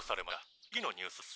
次のニュースです。